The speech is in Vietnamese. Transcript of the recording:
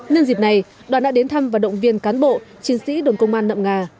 nên dịp này đoàn đã đến thăm và động viên cán bộ chiến sĩ đồng công an nậm nga